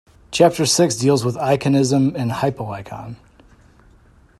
Chapter six deals with iconism and hypoicon.